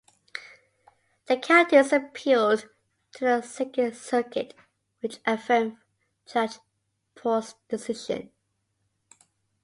The counties appealed to the Second Circuit, which affirmed Judge Port's decision.